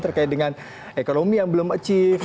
terkait dengan ekonomi yang belum achieve